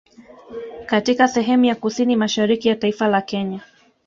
Katika sehemu ya kusini mashariki ya taifa la Kenya